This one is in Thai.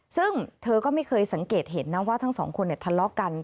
ซึ่งเธอก็ไม่เคยสังเกตเห็นนะว่าทั้งสองคนทะเลาะกัน